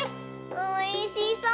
おいしそう！